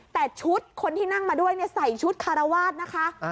แต่ชุดคนที่นั่งมาด้วยใส่ชุดคารวาสนะคะ